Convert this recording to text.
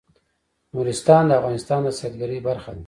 نورستان د افغانستان د سیلګرۍ برخه ده.